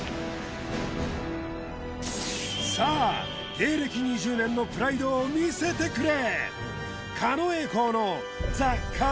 芸歴２０年のプライドを見せてくれ！